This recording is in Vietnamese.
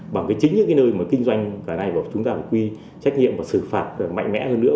bằng chính những nơi kinh doanh chúng ta quy trách nhiệm và xử phạt mạnh mẽ hơn nữa